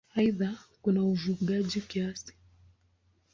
Aidha kuna ufugaji kiasi.